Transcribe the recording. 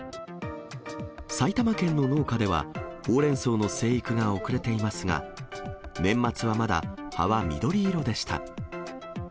埼玉県の農家では、ほうれん草の生育が遅れていますが、年末はまだ葉は緑色でした。